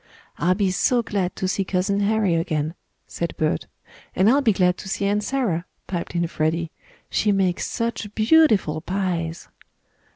"I'll be so glad to see Cousin Harry again," said Bert. "And I'll be glad to see Aunt Sarah," piped in Freddie. "She makes such _beau_tiful pies!"